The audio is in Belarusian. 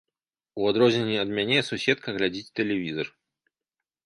У адрозненне ад мяне, суседка глядзіць тэлевізар.